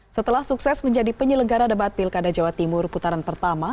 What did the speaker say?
setelah sukses menjadi penyelenggara debat pilkada jawa timur putaran pertama